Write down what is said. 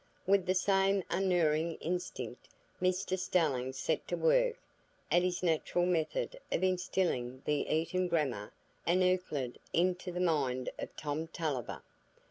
With the same unerring instinct Mr Stelling set to work at his natural method of instilling the Eton Grammar and Euclid into the mind of Tom Tulliver.